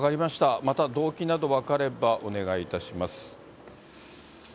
また動機など分かればお願いいたします。